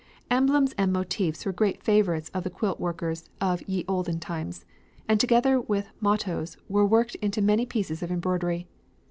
Emblems and motifs were great favourites with the quilt workers of "ye olden times" and together with mottoes were worked into many pieces of embroidery.